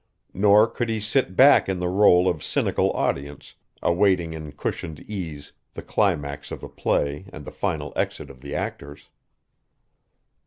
Nor could he sit back in the rôle of cynical audience, awaiting in cushioned ease the climax of the play and the final exit of the actors.